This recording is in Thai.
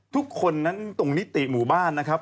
ทุกคนนั้นตรงนิติหมู่บ้านนะครับ